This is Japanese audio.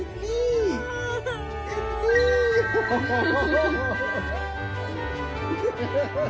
ハハハハッ。